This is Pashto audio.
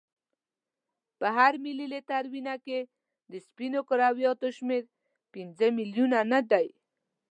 په هر ملي لیتر وینه کې د سپینو کرویاتو شمیر پنځه میلیونه نه دی.